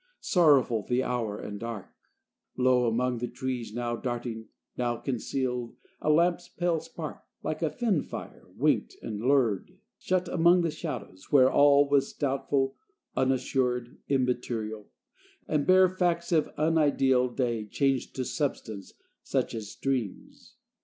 Sorrowful the hour and dark: Low among the trees, now darting, Now concealed, a lamp's pale spark Like a fen fire winked and lured Shut among the shadows, where All was doubtful, unassured, Immaterial; and bare Facts of unideal day Changed to substance such as dreams.